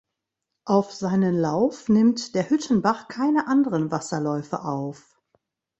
Auf seinen Lauf nimmt der Hüttenbach keine anderen Wasserläufe auf.